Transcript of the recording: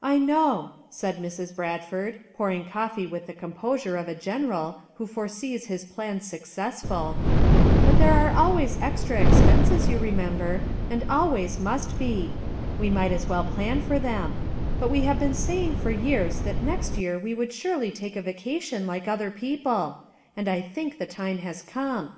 "I know," said Mrs. Bradford pouring coffee with the composure of a general who fore sees his plans successful, "but there are al ways extra expenses, yon remember, and al ways must he; we might as well plan for them; but we have been saying for years that next year we would surely take a vacation like other people; and I think the time has come.